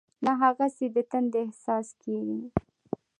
نه هغسې د تندې احساس کېږي.